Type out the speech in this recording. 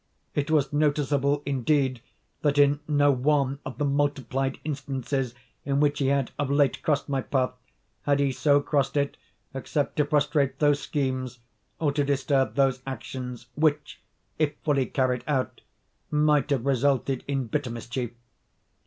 It was noticeable, indeed, that, in no one of the multiplied instances in which he had of late crossed my path, had he so crossed it except to frustrate those schemes, or to disturb those actions, which, if fully carried out, might have resulted in bitter mischief.